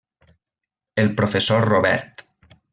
El professor Robert.